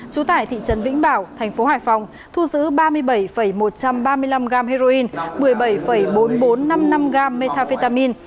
chú tải thị trấn vĩnh bảo thành phố hải phòng thu giữ ba mươi bảy một trăm ba mươi năm gam heroin một mươi bảy bốn nghìn bốn trăm năm mươi năm gam methamphetamine